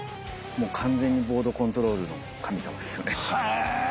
もう完全にボードコントロールの神様ですよね。